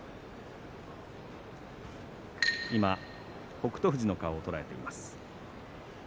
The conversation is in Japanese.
今北勝富士の顔を捉えています。